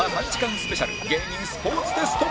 スペシャル芸人スポーツテスト